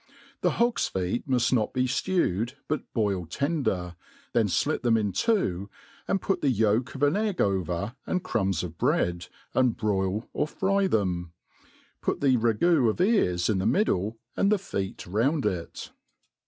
The hogs feet muft not be jlewed but boiled tender, then flit them in two, and put the yolk of an egg over and crumbs of bread, and broil or fry them j Iput the ragoo of ears in the middle, and the feet round it.